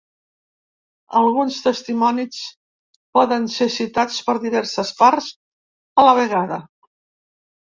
Alguns testimonis poden ser citats per diverses parts a la vegada.